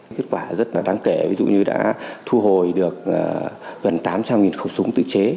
kết quả rất là đáng kể ví dụ như đã thu hồi được gần tám trăm linh khẩu súng tự chế